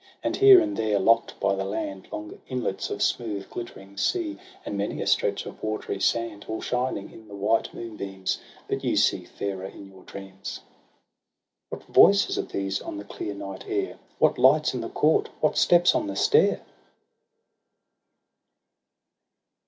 And here and there, lock'd by the land, Long inlets of smooth glittering sea. And many a stretch of watery sand All shining in the white moon beams — But you see fairer in your dreams. What voices are these on the clear night air.? What lights in the court — what steps on the stair?